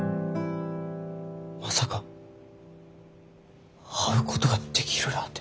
まさか会うことができるらあて。